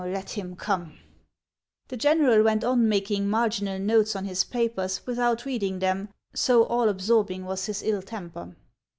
Let him come !" The general went on making marginal notes on his papers without reading them, so all absorbing was his ill temper.